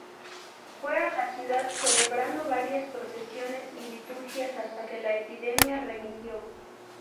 Fue a la ciudad, celebrando varias procesiones y liturgias hasta que la epidemia remitió.